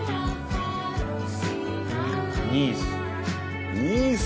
ニース。